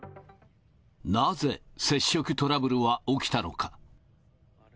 なぜ、接触トラブルは起きたのか？